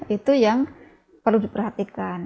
itu yang perlu diperhatikan